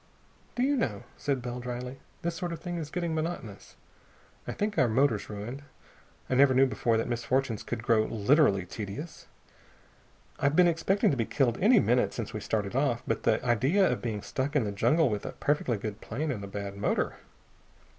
"Do you know," said Bell dryly, "this sort of thing is getting monotonous. I think our motor's ruined. I never knew before that misfortunes could grow literally tedious. I've been expecting to be killed any minute since we started off, but the idea of being stuck in the jungle with a perfectly good plane and a bad motor...."